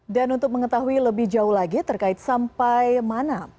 dan untuk mengetahui lebih jauh lagi terkait sampai mana